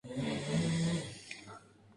Era una excelente amazona.